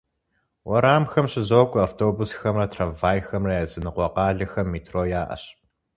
Уэрамхэм щызокӏуэ автобусхэмрэ трамвайхэмрэ, языныкъуэ къалэхэм метро яӏэщ.